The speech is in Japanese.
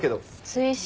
追試。